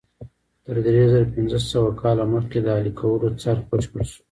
تر درې زره پنځه سوه کاله مخکې د اهلي کولو څرخ بشپړ شو.